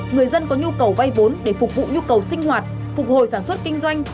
người dân có nhu cầu vay vốn để phục vụ nhu cầu sinh hoạt phục hồi sản xuất kinh doanh